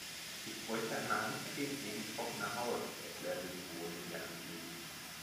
Ich bräuchte eine Handcreme gegen trockene Haut, erklärte Simone ihr Anliegen.